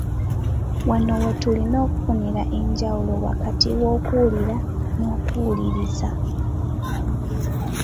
Wano we tulina okufunira enjawulo wakati w’okuwulira n’okuwuliriza.